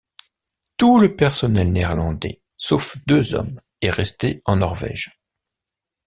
Tout le personnel néerlandais sauf deux hommes est resté en Norvège.